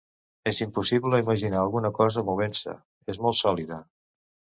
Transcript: És impossible imaginar alguna cosa movent-se, és molt sòlida.